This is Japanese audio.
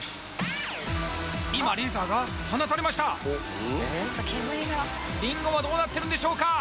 今レーザーが放たれましたりんごはどうなってるんでしょうか？